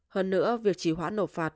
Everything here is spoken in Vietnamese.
hơn nữa việc chỉ hoãn nộp phạt